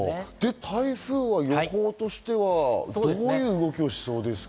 台風は予報としてはどういう動きをしそうですか？